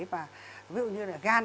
ví dụ như là gan